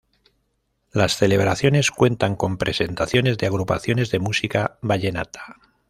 Las celebraciones cuentan con presentaciones de agrupaciones de música vallenata.